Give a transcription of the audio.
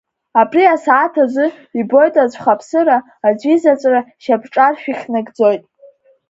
Абри асааҭ азы, ибоит аӡә хаԥсыра, аӡә изаҵәра шьапҿаршә ихьнагӡоит…